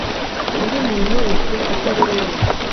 undi muntu wese atari wowe